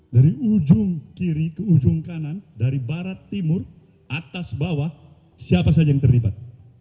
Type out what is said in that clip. dari ujung kiri ke ujung kanan dari barat timur atas bawah siapa saja yang terlibat